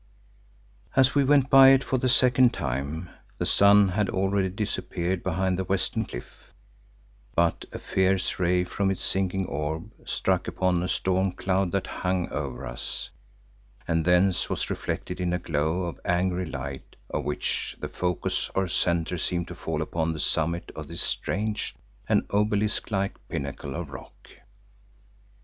As we went by it for the second time, the sun had already disappeared behind the western cliff, but a fierce ray from its sinking orb, struck upon a storm cloud that hung over us, and thence was reflected in a glow of angry light of which the focus or centre seemed to fall upon the summit of this strange and obelisk like pinnacle of rock.